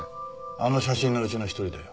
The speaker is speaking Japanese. あの写真のうちの一人だよ。